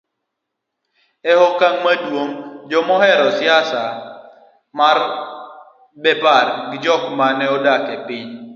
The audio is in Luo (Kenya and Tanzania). e okang' maduong' jok maneohero siasa mar Bepar gi jok maneodak e piny